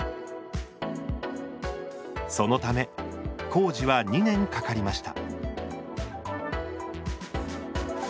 そのため工事は２年かかりました。